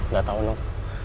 gak tau nung